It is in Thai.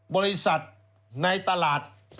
บริษัทในตลาด